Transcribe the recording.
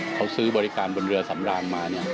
เขาซื้อบริการบนเรือสำรางมา